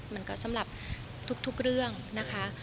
มันก็สำหรับทุกเรื่องนะคะ